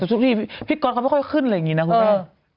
แต่สุดที่พี่ก๊อตเขาไม่ค่อยขึ้นเลยอย่างนี้นะคุณแม่